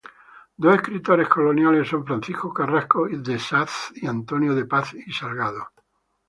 Dos escritores coloniales son Francisco Carrasco de Saz y Antonio de Paz y Salgado.